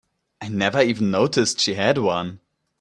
I never even noticed she had one.